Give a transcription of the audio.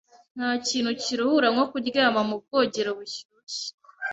Ntakintu kiruhura nko kuryama mu bwogero bushyushye.